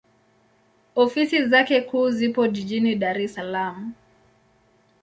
Ofisi zake kuu zipo Jijini Dar es Salaam.